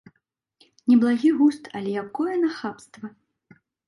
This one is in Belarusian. Неблагі густ, але якое нахабства!